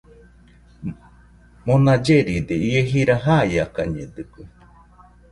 Mona lleride ie jira jaiakañedɨkue